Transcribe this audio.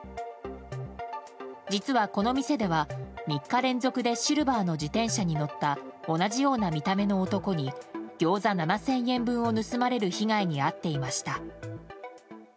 実はこの店では３日連続でシルバーの自転車に乗った同じような見た目の男にギョーザ７０００円分を盗まれる被害に遭っていました。